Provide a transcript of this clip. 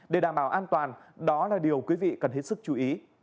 để đảm bảo an toàn đó là điều quý vị cần hết sức chú ý